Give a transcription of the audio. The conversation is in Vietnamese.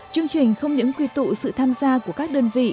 chương trình không những quy tụ sự tham gia của các đơn vị